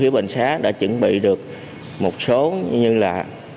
bệnh sá đã chuẩn bị được một số như là